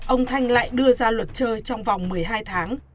ông thanh lại đưa ra luật chơi trong vòng một mươi hai tháng